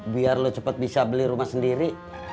biar lu cepet bisa beli rumah sendiri